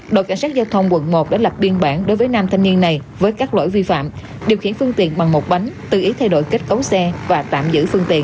đội cảnh sát giao thông quận một đã lập biên bản đối với nam thanh niên này với các lỗi vi phạm điều khiển phương tiện bằng một bánh tự ý thay đổi kết cấu xe và tạm giữ phương tiện